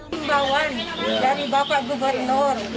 pembawaan dari bapak gubernur